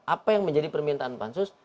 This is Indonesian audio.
apa yang menjadi permintaan pansus